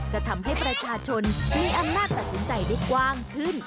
จะทำให้ประชาชนมีอำนาจตัดสินใจได้กว้างขึ้น